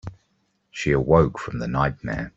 She awoke from the nightmare.